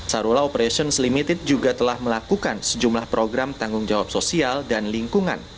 sarula operations limited juga telah melakukan sejumlah program tanggung jawab sosial dan lingkungan